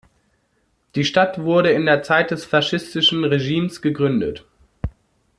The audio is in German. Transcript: Die Stadt wurde in der Zeit des faschistischen Regimes gegründet.